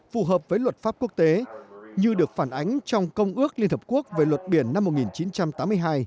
phù hợp với luật pháp quốc tế như được phản ánh trong công ước liên hợp quốc về luật biển năm một nghìn chín trăm tám mươi hai